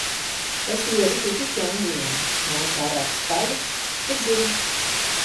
Tas ļoti tipiski Anglijai. Nav pārāk skaļi, bet dzird.